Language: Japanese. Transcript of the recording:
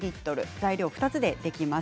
材料２つでできます。